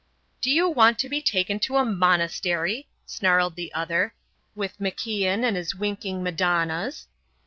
"Do you want to be taken to a monastery," snarled the other, "with MacIan and his winking Madonnas."